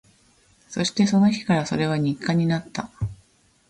そして、その日からそれは日課になった